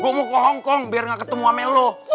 gua mau ke hongkong biar gak ketemu amel lu